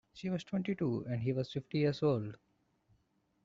She was twenty-two and he was fifty years old.